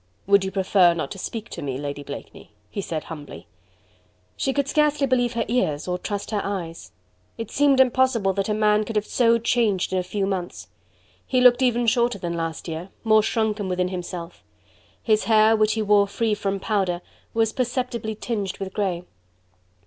"Would you prefer not to speak to me, Lady Blakeney?" he said humbly. She could scarcely believe her ears, or trust her eyes. It seemed impossible that a man could have so changed in a few months. He even looked shorter than last year, more shrunken within himself. His hair, which he wore free from powder, was perceptibly tinged with grey.